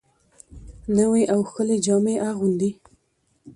نوې او ښکلې جامې اغوندي